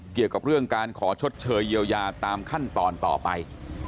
เกี่ยวกับเรื่องการขอชดเชยเยียวยาตามขั้นตอนต่อไป